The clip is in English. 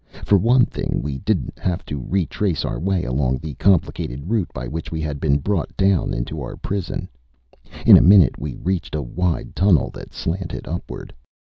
For one thing, we didn't have to retrace our way along the complicated route by which we had been brought down to our prison. In a minute we reached a wide tunnel that slanted upward.